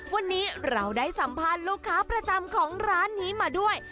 วันนี้เราได้สัมภาษณ์ลูกค้าประจำของร้านนี้มาด้วย